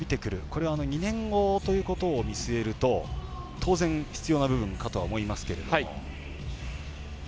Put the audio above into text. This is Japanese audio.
これは２年後ということを見据えると当然、必要な部分かと思いますが。